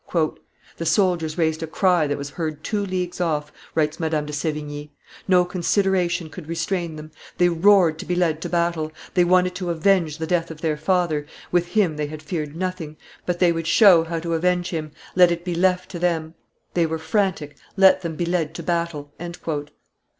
"The soldiers raised a cry that was heard two leagues off," writes Madame de Sevigne; "no consideration could restrain them; they roared to be led to battle, they wanted to avenge the death of their father, with him they had feared nothing, but they would show how to avenge him, let it be left to them; they were frantic, let them be led to battle."